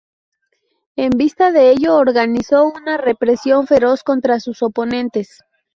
En vista de ello organizó una represión feroz contra sus oponentes.